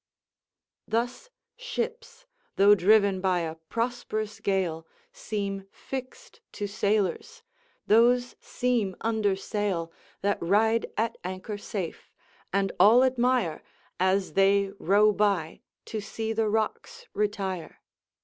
Thus ships, though driven by a prosperous gale, Seem fix'd to sailors; those seem under sail That ride at anchor safe; and all admire, As they row by, to see the rocks retire.